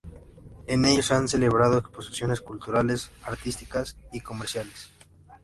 En ellos se han celebrado exposiciones culturales, artísticas y comerciales.